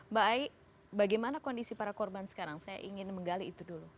mbak ai bagaimana kondisi para korban sekarang saya ingin menggali itu dulu